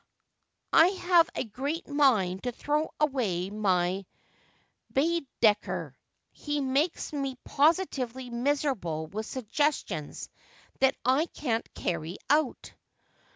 I have a great mind to throw away my Baedeker. He makes me positively miserable with suggestions that I can't carry out.'